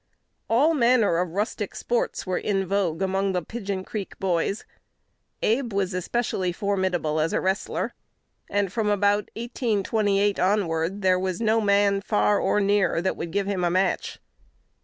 All manner of rustic sports were in vogue among the Pigeon Creek boys. Abe was especially formidable as a wrestler; and, from about 1828 onward, there was no man, far or near, that would give him a match.